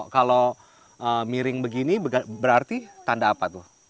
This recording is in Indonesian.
kalau miring begini berarti tanda apa tuh